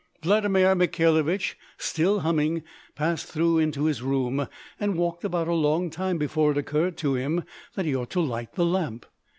Vladimir Mikhailovich, still humming, passed through into his room, and walked about a long time before it occurred to him that he ought to light the lamp.